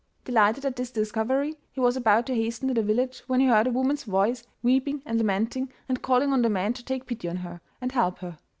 Delighted at this discovery, he was about to hasten to the village when he heard a woman's voice weeping and lamenting, and calling on the men to take pity on her and help her.